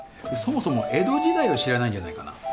そもそも江戸時代を知らないんじゃないかな。